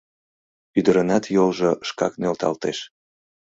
Ӱдырынат йолжо шкак нӧлталтеш.